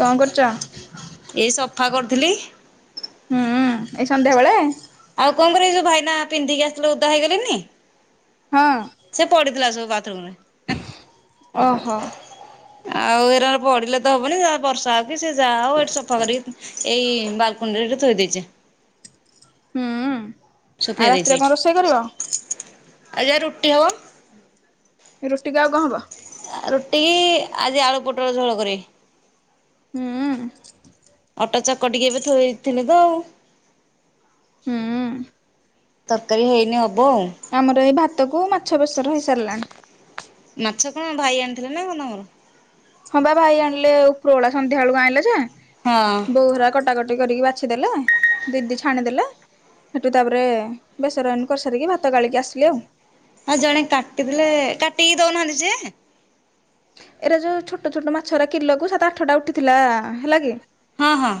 କଣ କରୁଚ? ଏଇ ସଫା କରୁଥିଲି। ହୁଁ ଏଇ ସନ୍ଧ୍ୟାବେଳେ? ଆଉ କଣ କରିବ ଏ ଯୋଉ ଭାଇନା ପିନ୍ଧିକି ଆସିଲ ଉଦା ହେଇଗଲେନି। ହଁ। ସେ ପଡିଥିଲା ସବୁ ବାଥରୁମ୍ ରେ। ଓହୋ। ଆଉ ଏରା ପଡିଲେ ତ ହବନି ବର୍ଷା ହଉ କି ସେ ଯାହା ଆଉ ଏଠି ସଫା କରିକି ଏଇ ବାଲକୁନିରେ ଏଠେଥୋଇ ଦେଇଚି। ହୁଁ। ଆଉ ସୁଖେଇ ରାତିରେ ଦେଇଚି କଣ ରୋଷେଇ କରିବ? ଏଠି। ରୁଟିି କୁ ଆଉ କଣ ହବ? ଆ ରୁଟି କି ଆଜି ଆଳୁ ପୋଟଳ ଝୋଳ କରିବି। ହୁଁ। ଅଟୋ ଚକଟିକି ଏବେ ଥୋଇ ଥିଲେ ତ ଆଉ। ହୁଁ। ତରକାରୀ ହେଇନି ହବ ଆଉ। ଆମର ଏଇ ଭାତ କୁ ମାଛ ବେସର ହେଇ ସାରିଲାଣି। ମାଛ କଣ ଭାଇ ଆଣିଥିଲେ ନା କଣ ତମର? ହଁ ବା ଭାଇ ଆଣିଲେ ଉପର ଓଳା ସନ୍ଧ୍ୟା ବେଳକୁ ଆଇଁଲେ ଯେ ହଁ। ବୋଉହେରା କଟାକଟି କରିକି ବାଛିଦେଲେ ଦିଦି ଛାଣିଦେଲେ। ସେଠୁ ତାପରେ ବେସରାନ କରିସାରିକି ଭାତ ଗାଳିକି ଆସିଲି ଆଉ। ଆଉ ଜଣେ କାଟିଥିଲେ କାଟିକି ଦଉନାହାଁନ୍ତି ଯିଏ ଏରା ଯୁ ଛୋଟ ଛୋଟ ମାଛ ଉରା କିଲକୁ ସାତ ଆଠଟା ଉଠିଥିଲା ହେଲା କି ହଁ ହଁ।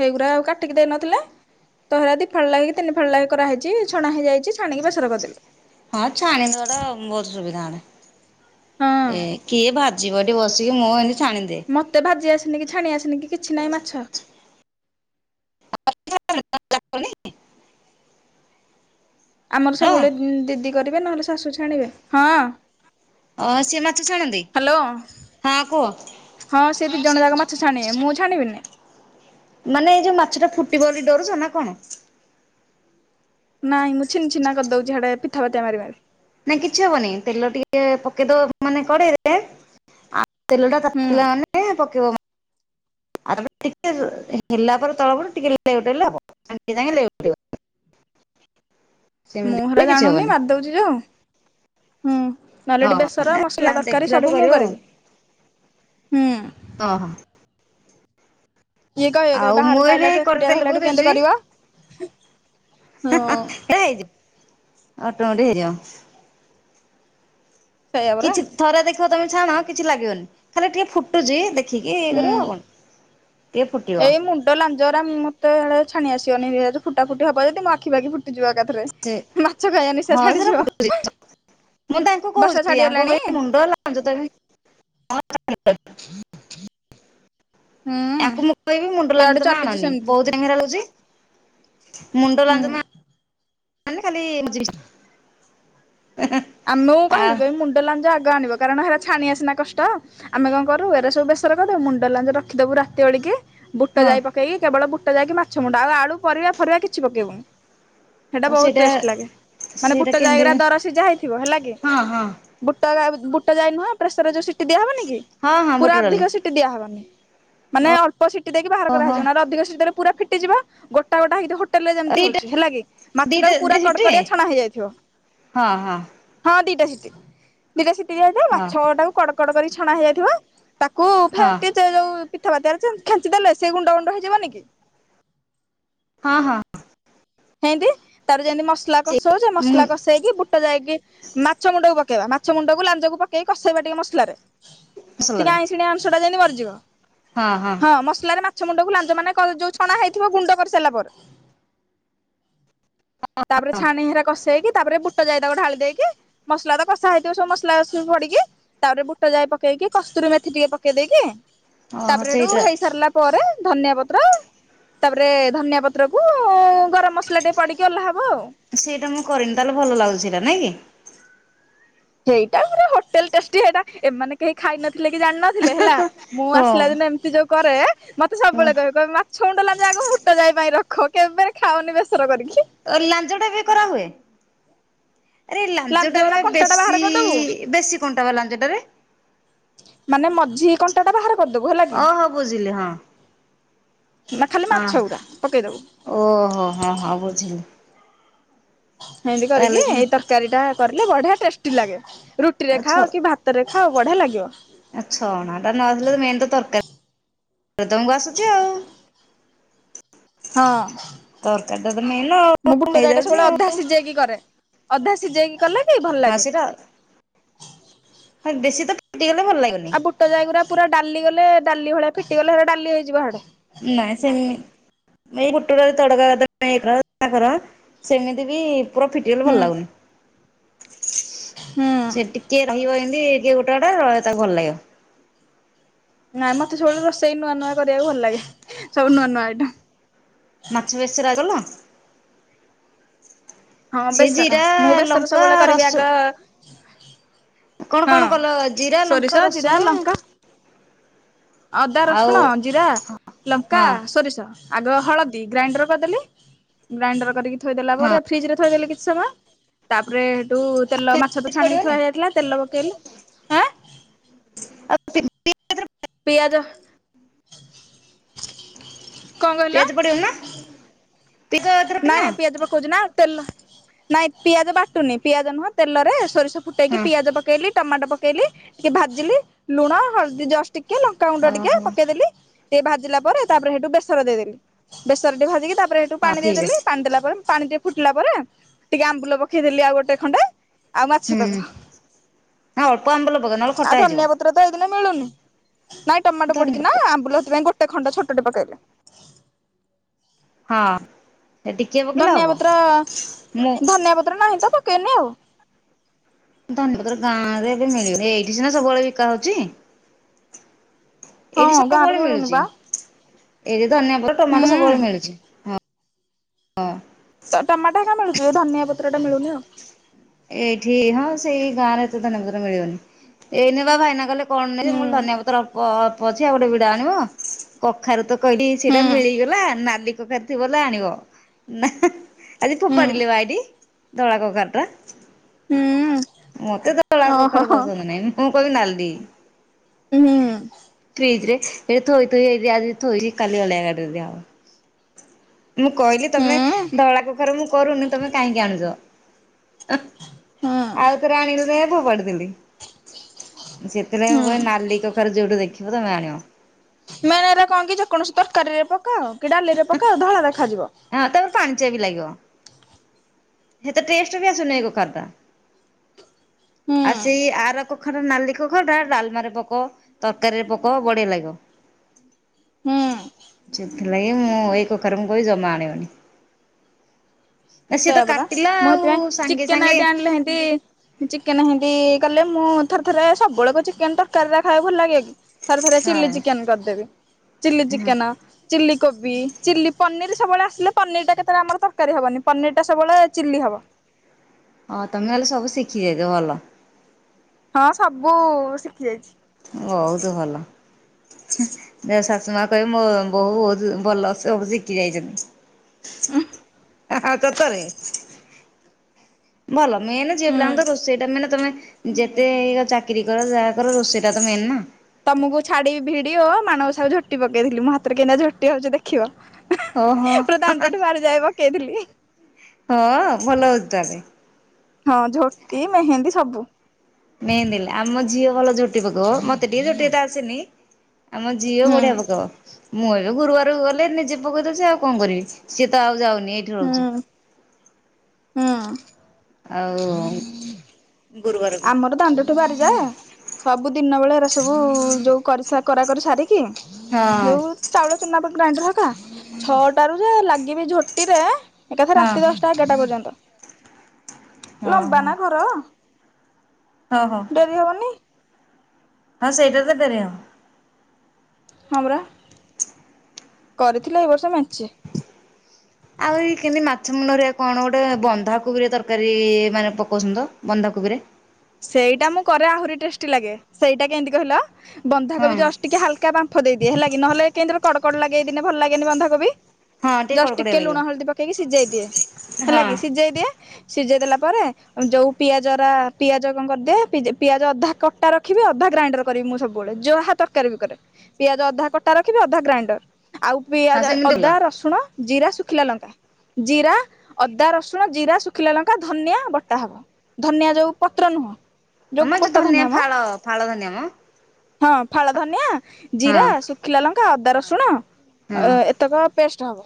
ହେଇଗୁରା ଆଉ କାଟିକି ଦେଇନଥିଲେ। ତ ହେରା ଦି ଫାଳ ଲାଖେ କି ତିନି ଫାଳ ଲାଖେ କରାହେଇଛି ଛଣା ହେଇଯାଇଛି ଛାଣିକି ବେସର କରିଦେଲୁ। ହଁ ଛାଣିଦବାଟା ବହୁତ ସୁବିଧା ହଁ ହଅନ୍ତା ଏ କିଏ ଭା ଯିବ ଏଠି ବସିକି ମୁଁ ଏମିତି ଛାଣିଦିଏ। ମୋତେ ଭାଜି ଆସିନି କି ଛାଣି ଆସିନି କି କିଛି ନାଇଁ ମାଛ। [inaudible] ଆମର ହଁ ସବୁବେଳେ ଦିଦି କରିବେ ନହେଲେ ଶାଶୁ ଛାଣିବେ ହଁ। ଅ ସିଏ ମାଛ ଛାଣନ୍ତି ହ୍ୟାଲୋ ହଁ କୁହ। ହଁ ସେ ଦି ଜଣ ଯାକ ମାଛ ଛାଣିବେ ମୁଁ ଛାଣିବିନି। ମାନେ ଏଇ ଯଉ ମାଛ ଟା ଫୁଟିବ ବୋଲି ଡରୁଚ ନା କଣ? ନାଇଁ ମୁଁ ଛିନ୍ ଛିନା କରିଦଉଚି ହିଁଆଡେ ପିଥା ପାତିଆ ମାରି ମାରି। ନାଇଁ କିଛି ହବନି ତେଲ ଟିକେ ପକେଇଦବ ମାନେ କଡେଇରେ ଆ ତେଲଟା ହୁଁ ତାତିଲା ମାନେ ପକେଇବ ମା ଆର ପ ଟିକେ ହେଲା ପରେ ତଳ ପଟୁ ଟିକେ ଲେଉଟେଇଲେ ହବ। ସାଙ୍ଗେ ସାଙ୍ଗେ ଲେଉଟଇବନି। ମୁଁ ହେଡା କଲେ କିଛି ଜାଣୁନି ହବନି ମାରି ଦଉଚି ଯୋଉ ହୁଁ। ନହେଲେ ହଁ ଏଟି ବେସର ମସଲା ତରକାରୀ ଦେଖିଲାଠୁ ସବୁ ମୁଁ କରିବ କରିବି ହୁଁ। ଅଃହ। ଇଏ କହିବେ କହିବେ ଆଉ ମୁଁ ବାହାରକୁ ଏବେ ଆଇଲାଠୁ କଡେଇରେ ଏକୁଟିଆ ତେଲ ପକେଇ ରହିଲାଠୁ କେମତି ଦଉଛି କରିବ? ହଁ [inaudible] ନାଇ ହେଇଯିବ ଅଟମେଟିକ ହେଇଯିବ। ସେଇଆ ପରା କିଛି ଥରେ ଦେଖିବ ତମେ ଛାଣ କିଛି ଲାଗିବନି ଖାଲି ଟିକେ ଫୁଟୁଚି ଦେ ଖିକି ଇଏ କରିବ ହୁଁ ଆଉ କଣ ଟିକେ ଫୁଟିବ। ତା ଲାଞ ଉରା ମତେ ଇଆଡେ ଛାଣି ଆସିବନି ଫୁଟା ଫୁଟି ହବ ଯଦି ମୋ ଆଖି ପାଖି ଫୁଟିଯିବ ଏକା ଥ ଥରେ ସେ ମାଛ ଖାଇବା ନିଶା ହଁ ସେଟା ଛାଡିଯିବ। ଫୁଟୁଛି। ମୁଁ ତଙ୍କୁ ବର୍ଷା କହୁଚି ୟାଙ୍କୁ ଛାଡିଗଲାଣି କହକି ମୁଣ୍ଡ ଲାଞ୍ଜ [unintelligible] ହୁଁ ୟାଙ୍କୁ ମୁଁ କହିବି ମୁଣ୍ଡ ଇଆଡେ ଲାଞ୍ଜ ତମେ ଚାଲିଛି ଆଣନି ସେମିତି। ବହୁଦି ଜାକେ ରହୁଚି। ମୁଣ୍ଡ ହୁଁ ଲାଞ୍ଜ ମାନେ ଆନି ଖାଲି ମଝି ଫିସ ଟା ଆମ ମୁଁ ଆ କହିବି କହିବ ମୁଣ୍ଡ ଲାଞ୍ଜ ଆଗ ଆଣିବ। କାରଣ ହେରା ଛାଣିବା ସିନା କଷ୍ଟ ଆମେ କଣ କରୁ ଏରା ସବୁ ବେସର କରିଦବୁ ମୁଣ୍ଡ ଲାଞ୍ଜ ରଖିଦବୁ ରାତିଉଳିକି। ବୁଟ ହଁ ଯାଇ ପକେଇକି କେବଳ ବୁଟ ଯାଇକି ମାଛ ମୁଣ୍ଡ ଆଉ ଆଳୁ ପରିବା ଫରିବା କିଛି ପକେଇବୁନି। ସେଇଟା ବହୁତ ଟେଷ୍ଟ ଲାଗେ ମାନେ ବୁଟ ସେଇଟା କେମିତି ଯାଇଗାର ଦର ସିଝା ହେଇ ହେଲା କି ହଁ ହଁ ବୁଟ ବୁଟ ଯାଇ ନୁହଁ ପ୍ରେସରରେ ଯଉ ସିଟି ଦିଆହବନି କି ହଁ ହଁ ପୁରା ବୁଟ ଡାଲି। ଅଧିକ ସିଟି ଦିଆହବନି। ମାନେ ଅଳ୍ପ ସିଟି ଦେଇକି ବାହାର ଓହୋ କରାହେଇଯିବ ନା ଅଧିକ ସିଟି ଦେଲେ ପୁରା ଫିଟିଯିବ ଗୋଟ୍ ଗୋଟା ଗୋଟା ହେଇକି ହୋଟେଲରେ ଯେମିତି ଦିଟା ହଉଚି ହେଲା କି ମାଛ ଦିଟା ଟାକୁ ପୁରା ଦିଟା ସିଟି କଡକଡିଆ ଛଣା ହେଇଯାଇଥିବ। ହଁ ହଁ। ହଁ ଦିଟା ସିଟି ଦିଟା ସିଟି ଦିଆ ହେଇଥାଏ ହଁ ମାଛ ଟାକୁ କଡ କଡ କରି ଛଣା ହେଇଯାଇଥିବ। ତାକୁ ହଁ ଫେଣ୍ଟି ଚେ ଯୋଉ ପିଥାପାତିଆ ଖେଞ୍ଚି ଦେଲେ ସେ ଗୁଣ୍ଡ ଗୁଣ୍ଡ ହେଇଯିବନି କି। ହଁ ହଁ। ହେଁଏତି ତାପରେ ଯେମିତି ମସଲା ସେ କଷଉଚେ ମସଲା କଷେଇକି ବୁଟ ଯାଇକି ମାଛ ମୁଣ୍ଡକୁ ପକେଇବା ମାଛ ମୁଣ୍ଡକୁ ଲାଞ୍ଜକୁ ପକେଇକି କଷେଇବା ଟିକେ ମସଲାରେ। ଟିକେ ମସଲାରେ ଆଇଁଷୁଆଣି ଅଂଶ ଟା ଯାଇନି ମରିଯିବ। ହଁ ହଁ। ହଁ ମସଲାରେ ମାଛ ମୁଣ୍ଡକୁ ଲାଞ୍ଜ ମାନେ କ ଯୋଉ ଛଣା ହେଇଥିବ ଗୁଣ୍ଡ କରିସାରିଲ ପରେ। ତାପରେ ଛାଣି ହିରା କଷେଇକି ତାପରେ ବୁଟ ଯାଇ ତାକୁ ଢାଳି ଦେଇକି ମସଲା ତ କଷା ହେଇଥିବ ସବୁ ମସଲା ସ ପଡ଼ିକି ତାପରେ ବୁଟ ଯାଇ ପକେଇକି, କସ୍ତୁରିମେଥି ଟିକେ ପକେଇ ଦେଇେଇକି ଓହୋ ତାପରେ ସେଠୁ ସେଇଟା ହେଇ ସାରିଲା ପରେ ଧନିଆ ପତ୍ର ତାପରେ ଧନିଆ ପତ୍ର କୁ ଗରମ ମସଲା ଟେ ପିଡିକି ଉଲ୍ହା ହେବ ଆଉ। ସେଇଟା ମୁଁ କରିନି ତାହେଲେ ଭଲ ଲାଗୁଥିଲା ନାଇଁ କି। ସେଇଟା ପୁରା ହୋଟେଲ ଟେଷ୍ଟି ସେଇଟା ଏମାନେ କେହି ଖାଇନଥିଲେ କି ଜାଣିନଥିଲେ ହେଲା। ମୁଁ ହଁ ଆସିଲା ଦିନ ଏମିତି ଯୋଉ କରେ ମତେ ସବବେଳେ କହିବେ କହିବେ ମାଛ ମୁଣ୍ଡ, ଲାଜ ଆଗ ହୁଟ ଯାଇ ପାଇଁ ରଖ କେବେ ଖାଅନି ବେସର କରିକି। ଲାଞ୍ଜ ଟା ବି କରାହୁଏ। ଆରେ ଲାଞ୍ଜଟାରେ ଲାଞ୍ଜଉରା କଣ୍ଟାଟା ବାହାର ବେଶୀ କରିଦବୁ ବେଶୀ କଣ୍ଟା ବା ଲାଞ୍ଜ ଟା ରେ। ମାନେ ମଝି କଣ୍ଟା ଟା ବାହାର କରିଦବୁ ହେଲା କି। ଓହୋ ବୁଝିଲି ହଁ ନା ଖାଲି ହଁ ମାଛ ଗୁଡା ପକେଇ ଦବୁ। ଓହୋ ହଁ ହଁ ବୁଝିଲି। ଏମିତି ତାହେଲେ କରିକି ଏଇ ତରକାରୀ ଟା କରିଲେ ବଢିଆ ଟେଷ୍ଟି ଲାଗେ ରୁଟିରେ ଆଉ ଖାଅ କି ଭାତ ତ ରେ ଖାଅ ବଢ଼ିଆ ଲାଗିବ। ଆ ଛଣା ଟା ନ ଆସିଲେ ମେନ୍ ତ ତରକାରୀ ତମକୁ ଆସୁଚି ଆଉ। ହଁ ତରକାରୀଟ ତ ମେନ ମୁଁ ବୁଟ ଆଉ ଜାଇଟା ହେଇଯାଉଚି ସବୁବେଳେ ଆଉ। ଅଧା ସିଝେଇକି କରେ ଅଧା ସିଝେଇକି କଲେ କି ଭଲ [unintelligible] ଲାଗେ। ବେଶୀ ତ ଫଟିଗଲେ ଭଲ ଲାଗେ ଆଉ ବୁଟ ଯାଇଗୁରା ପୁରା ଡାଲି ଗଲେ ଡାଲି ଭଳିଆ ଫିଟିଗଲେ ଡାଲି ହେଇଯିବ ହିଡେ। ନାଇଁ ସେମି ଏଇ ବୁଟଡାଲି ତଡକା ପାଇଁ [unintelligible] ସେମିତି ବି ପୁରି ଫିଟିଗଲେ ହୁଁ ଭଲ ଲାଗୁନି ହୁଁ ସେ ଟିକେ ରହିବ ଏମିତି ଟିକେ ଗୋ ଟା ତାକୁ ଭଲ ଲାଗିବ। ନାଇଁ ମତେ ସବୁବେଳେ ରୋଷେଇ ନୂଆ ନୂଆ କରିବାକୁ ଭଲ ଲାଗେ ସବୁ ନୂଆ ନୂଆ ଆଇଟମ୍। ମାଛ ବେଶର ଆ ଗଲା ହଁ ସେ ବେସର ଜିରା, ମୁଁ ବେସର ଲଙ୍କା, ସବୁବେଳେ କରିବି ରସୁ ଆଗ କଣ ହଁ କଣ କଲ ଜିରା, ଲଙ୍କା, ସୋରିଷ ଜିରା ରସୁଣ ଲଙ୍କା ଅଦା, ଆଉ ରସୁଣ, ଜିରା, ଲଙ୍କା, ହଁ ସୋରିଷ ଆଗ ହଳଦୀ ଗ୍ରାଇଣ୍ଡର କରିଦେଲି ଗ୍ରାଇଣ୍ଡର କରିକି ଥୋଇଦେଲା ହଁ ପରେ ଫ୍ରିଜ ଥୋଇଦେଲି କିଛି ସମୟ ତାପରେ ହେଠୁ ତେଲ ମାଛ ପିଆଜ ଛଣିକି ପଡିବନି ଥୁଆ ହେଇ ଯାଥିଲା ତେଲ ପକେଇଲି। ଆଁ [inaudible] ପିଆଜ କଣ କହିଲ? ପିଆଜ ପଡ଼ିବନି ନା? ପିଆଜ ଏଥିରେ ଫୁଟଣ ନାଇଁ ନାଇଁ ପିଆଜ ପକାଉଚି ନା। ତେଲ ନାଇଁ ପିଆଜ ବାଟୁନି ପିଆଜ ନୁହଁ ତେଲରେ ସୋରିଷ ଫୁଟେଇକି ହଁ ପିଆଜ ପକେଇଲି ଟମାଟୋ ପକେଇଲି ଟିକେ ଭାଜିଲି ଲୁଣ, ହଳଦୀ ଜସ୍ ଟିକେ ଲଙ୍କାଗୁଣ୍ଡ ଟିକେ ଓହୋ ପକେଇଦେଲି। ଟିକେ ଭାଜିଲା ପରେ ତାରେ ସେଇଠୁ ବେସର ଦେଇଦେଲି ବେସର ଟି ଭାଜିକି ତାପରେ ସେଠୁ ହଁ ପାଣି ଠିକ ଅଛି। ଦେଇଦେଲି ପାଣି ଦେଲା ପରେ ପାଣି ଟିକେ ଫୁଟିଲା ପରେ, ଟିକେ ଆମ୍ବୁଲ ପକେଇଦେଲି ଆଉ ଗୋଟେ ଖଣ୍ଡେ ଆଉ ମାଛ ହୁଁ ତକ ନା ଅଳ୍ପ ଆମ୍ବଲ ପକା ନହେଲେ ଖଟା ହେଇଯିବ। [unintelligible] ତ ଏଇ ଦିନ ମିଳୁନି ନାଇଁ ଟମାଟୋ ଧନିଆ ପଡ଼ିଚିନା ପତ୍ର ଆମ୍ବୁଲ ସେଥିପାଇଁ ଗୋଟେ ଖଣ୍ଡ ଛୋଟଟେ ପକେଇଲି। ହଁ। ଟିକେ ପକେଇଲେ ଧନିଆ ହବ ପତ୍ର ମୁଁ ଧନିଆ ପତ୍ର ନାହିଁତ ପକେଇନି ଆଉ। ଧନୀପତ୍ର ଗାଁରେ ଏବେ ମିଳିବନି ଏଇଠି ସିନା ସବୁବେଳେ ବିକା ହଉଚି। ହଁ ଗାଁରେ ସବୁବେଳେ ମିଳୁଛି। ମିଳୁନିବା। ଏଇଠି ଧନିଆ ପତ୍ର ଟମାଟୋ ସବୁବେଳେ ମିଳୁଛି। ହଁ ତ ଟମାଟାଟା ମିଳୁଚି ଧନିଆ ପତ୍ରଟା ମିଳୁନି ଆଉ। ଏଇଠି ହଁ ସେଇ ଗାଁରେ ଏତେ ଧନିଆ ପତ୍ର ମିଳିବନି ଏଇନେବା ଭାଇନା କଲେ କଣ ନାଇଁ ହୁଁ ମୁଁକଇଁନି ଧନିଆ ପତ୍ର ପଛି ଆଉ ଗୋଟେ ବିଡ଼ା ଆଣିବ କଖାରୁତ କହିଲି ହୁଁ ସେଇଟା ମିଳିଗଲା ନାଲି କଖାରୁ ଥିବ ବୋଲେ ଆଣିବ ନା ଆଜିି ହୁଁ ଫୋପାଡ଼ିଲେପା ଏଇଠି ଧଳା କଖାରୁଟା ହୁଁ ମତେ ଧଳା ଓହୋ। କଖାରୁ ପସନ୍ଦ ହୁଁ ନାହିଁ ମୁଁ କହିବି ନାଲି। ଫିଜରେ ଏବେ ଥୋଇ ଥୋଇ ଆଇ ଆଜି ଥୋଇଛି କାଲି ଅଳିଆ ଗାଡ଼ିରେ ଦିଆହବ। ମୁଁ କହିଲି ହୁଁ ତମେ ଧଳା କୁଖାର ମୁଁ କରୁନି ତମେ କାହିଁକି ଆଣୁଚ ହୁଁ ଆଉ ଥରେ ଆଣିଲିଯେ ଫୋପାଡ଼ି ଦେଲି। ସେଥିଲାଗି ହୁଁ। କହିନି ନାଲି କଖାରୁ ଯୋଉଠୁ ଦେଖିବ ତମେ ଆଣିବ। ମେନ୍ ଏରା କଣକି ଯେକୌଣସି ତରକାରୀରେ ପକାଅ କିଡାଲିରେ ପକାଅ ଧଳା ଦେଖାଯିବ। ହଁ ତାପରେ ପାଣି ଚିଆବି ଲାଗିବ। ହେତ ଟେଷ୍ଟେବି ଆସୁନି କଖାରୁଟା। ହୁଁ ଆଉ ସେଇ ଆର କଖାରୁ ନାଲି କଖାରୁଟା ଡାଲମାରେ ପକ ତରକାରୀରେ ପକ ବଢିଆ ଲାଗିବ। ହୁଁ। ସେଥିଲାଗ ମୁଁ ଏଇ କଖାରୁ ମୁଁ କହିବି ଜମା ଆଣିବନି। ନା ସିଏ ତ ସେୟାପରା କାଟିଲା ମୁଁ ଆଉ ସେଥିପାଇଁ ସାଙ୍ଗେ ଚିକେନ୍ ସାଙ୍ଗେ ଏଟେ ଆଣିଲେ ଏତି ଚିକେନ ହେମିତି କଲେ ମୁଁ ଥରେ ଥରେ ସବୁବେଳେ କଁ ଚିକେନଟା ତରକାରୀ ଖାଇବାକୁ ଭଲ ଲାଗେକି ଥରେ ଥରେ ଚିଲି ହଁ। ଚିକେନ୍ କରିଦେବି ଚିଲି ହଁ ଚିକେନ ଚିଲ୍ କୋବି ଚିଲ୍ଲି ପନିରି ସବୁବେଳେ ଆସିଲେ ପନିରଟା କେତେବେଳେ ଆମର ତରକାରୀ ହେବନି ପନିରଟା ସବୁବେଳେ ଚିଲ୍ଲି ହବ ହଁ ତମେ ନହେଲେ ସବୁ ଶିଖି ଯାଇଚ ଭଲ। ହଁ ସବୁ ଶିଖି ଯାଇଚି। ବହୁତୁ ଭଲ। ଶାଶୁମା କହିବେ ମୋ ବହୁ ବହୁତ୍ ଭଲ ସବୁ ଶିଖି ଯାଇଚନ୍ତି। ହା ସତରେ ଭଲ ମେନ୍ ଝିଅ ହୁଁ। ପିଲାତ ରୋଷଇଟା ମାନେ ତମେ ଯେତେ ଇଏ ଚାକିରି କର ଯାହାକର ରୋଷେଇଟାତ ମେନ୍ ନା। ତମକୁ ଛାଡ଼ିବି ଭିଡିଓ ମାଣବସା କୁ ଝୋଟି ପକେଇଥିଲି ମୁଁ ହାତରେ କେମିତି ଝୋଟି ହଉଚି ଦେ ଖିବ ଓହୋ ପୁରା ଦାଣ୍ଡଠୁ ବାହାର ଯାଏ ପକେଇଥିଲି। ହଁ ଭଲ ହଉଚି ତାହେଲେ। ହଁ ଝୋଟି ମେହେନ୍ଦୀ ସବୁ ମେହେନ୍ଦି ଆମ ଝିଅ ଭଲ ଝୋଟି ପକେଇବ ମତେ ଟିକେ ଝୋଟି ଏତେ ଆସେନି ଆମ ଝିଅ ହୁଁ ବଢିଆ ପକାଇବ। ମୁଁ ଏବେ ଗୁରୁବାରକୁ ଗଲେ ନିଜେ ପକେଇ ଦଉଚି ଆଉ କଣ କରିବି ସିଏତ ଆଉ ଯାଉ ହୁଁ ହୁଁ। ଆଉ ଗୁରୁବାରକୁ ଆମର ଦାଣ୍ଡରେ ଠୁ ବାହାରିଯାଏ ସବୁ ଦିନ ବେଳେ ଏରା ସବୁ ଯୋଉ କରା କରି ସାରିକି ହଁ ଯଉ ଚାଉଳ ଚୁନାଟା ଗ୍ରାଇଣ୍ଡର ହକା ଛଅଟା ରୁ ଯେ ଲାଗିବି ଝୋଟିରେ ଏକଥା ହଁ ରାତି ଦଶଟା ଏଗାରଟା ପର୍ଯ୍ୟନ୍ତ, ହଁ ଲମ୍ବା ନା ଘର। ହଁ ହଁ କରି ହେବନି? ହଁ ସେଇଟା [unintelligible] ହଁ, ପରା କରିଥିଲା ଏଇ ବର୍ଷ ମଞ୍ଚେ ଆହୁରି କେମିତି ମାଛ ମୁଣ୍ଡରେ କଣ ଗୋଟେ ବନ୍ଧାକୋବିରେ ତରକାରୀ ମାନେ ପକାଉଛନ୍ତି ତ ବନ୍ଧାକୋବିରେ। ସେଇଟା ମୁଁ କରେ ଆହୁରି ଟେଷ୍ଟି ଲାଗେ ସେଇଟା କେମିତି କହିଲ ହଁ। ବନ୍ଧାକୋବି ଜଷ୍ଟ ଟିକେ ହାଲକା ଏକା ବାମ୍ଫ ଦେଇଦିଏ ହେଲାଗି ନହେଲେ କେମିତିର କଡ କଡ ଲାଗେ ନହେଲେ ଭଲ ଲାଗେନି ବନ୍ଧା କୋବି। ହଁ ଜଷ୍ଟ କଡ଼କଡିଆ ଟିକେ ଲାଗିବ। ଲୁଣ ହଳଦୀ ପକେଇକି ସିଝେଇ ଦିଏ, ହେଲା ହଁ। କି ସିଝେଇ ଦିଏ। ସିଝେଇ ଦେଲା ପରେ ଯୋଉ ପିଆଜର ପିଆଜ କଣ କରିଦିଏ ପିଆଜ ଅଧା କଟା ରଖିବି ଅଧା ଗ୍ରାଇଣ୍ଡର କରିବି ମୁଁ ସବୁବେଳେ ଯୋହା ତରକାରୀ ବି କରେ। ପିଆଜ ଅଧା କଟା ରଖିବି ଅଧା ଗ୍ରାଇଣ୍ଡର ଆଉ ହଁ ପିଆଜ ସେମିତି ଭଲ ଅଧା ରସୁଣ ଜିରା, ଶୁଖିଲା ଲଙ୍କା। ଜିରା, ଅଦା, ରସୁଣ, ଜିରା, ଶୁଖିଲା ଲଙ୍କା, ଧନିଆ ବଟା ହବ। ଧନିଆ ଯଉ ପତ୍ର ନୁହଁ। ଯୋଉ ଆମ ଗୋଟା ଧନିଆ ମ, ଫାଳ ଫାଳ ଧନିଆ ମ। ହଁ ଫାଳ ଧନିଆ ଜିରା ହଁ ସୁଖିଲା ଲଙ୍କା ଅଦା ରସୁଣ ହଁ। ଏତକ ପେଷ୍ଟ ହବ,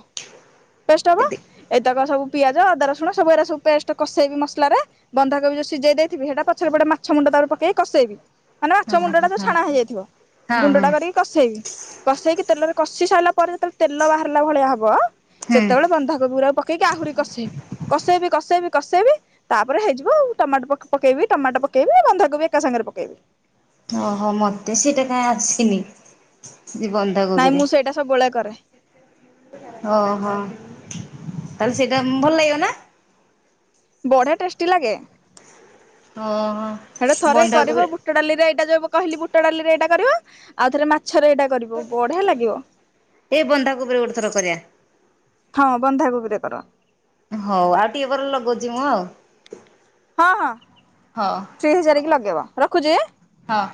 ପେଷ୍ଟ ହବ। ଏତି ଏଇତକ ସବୁ ପିଆଜ ଅଦା ରସୁଣ ସବୁ ଏଡା ସବୁ ପେଷ୍ଟ କସେଇବି ମସଲାରେ ବନ୍ଧାକ ବି ଯୋଉ ସିଝେଇ ଦେଇ ଥିବି ସେଟା ପଛରେ ପଟେ ମାଛ ମୁଣ୍ଡ ତାପରେ ପକେଇକି କସେଇବି ମାନେ ହଁ ମାଛ ମୁଣ୍ଡଟା ଯୋଉ ହଁ। ଛଣା ହେଇଯାଇଥିବ। ହଁ ହଁ ଗୁଣ୍ଡଟା କରିକି କଷେଇବି। କସେଇକି ତେଲରେ କଷିସାରିଲା ପରେ ଯେତେବେଳେ ତେଲ ବାହାରିଲା ଭଳିଆ ହବ ହୁଁ। ସେତେବେଳେ ବନ୍ଧାକୋବି ଗୁଡାକୁ ପକେଇ ପକେଇକି ଆହୁରି କଷେଇବି କସେଇବି କଷେଇବି କସେଇବି ତାପରେ ହେଇଯିବ ଆଉ ଟମାଟୋ ପକେଇ ପକେଇବି ଟମାଟୋ ପକେଇବି ବନ୍ଧାକୋବି ଏକା ସାଙ୍ଗରେ ପକେଇବି। ଓହୋ ମତେ ସେଇଟା କାହିଁ ଆସିନି ଜୀବନରେ ନାଇଁ ମୁଁ ସେଇଟା ସବୁବେଳେ କରେ। ଅହୋ ତାହଲେ ସେଇଟା ଭଲ ଲାଗିବ ନା? ବଢିଆ ଟେଷ୍ଟି ଲାଗେ। ଓହୋ ସେଇଟା ଥରେ କରିବ ବନ୍ଧାକୋବିରେ ବୁଟ ଡ଼ାଲିରେ ଏଇଟା ଯଉ କହିଲି ବୁଟ ଡ଼ାଲିରେ ଏଇଟା କରିବ ଆଉ ଥରେ ମାଛରେ ଏଇଟା କରିବ ବଢିଆ ଲାଗିବ। ଏଇ ବନ୍ଧାକୋବିରେ ଗୋଟେଥର କରିବା। ହଁ ବନ୍ଧାକୋବିରେ କର। ହଉ ଆଉ ଟିକେ ପରେ ଲଗଉଛି ମୁଁ ଆଉ। ହଁ ହଁ। ହଁ। ଫ୍ରି ହେଇସାରିକି ଲଗେଇବ, ରଖୁଛି? ହଁ।